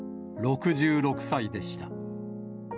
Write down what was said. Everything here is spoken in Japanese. ６６歳でした。